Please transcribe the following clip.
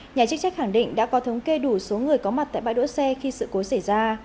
nhà chức trách khẳng định đã có thống kê đủ số người có mặt tại bãi đỗ xe khi sự cố xảy ra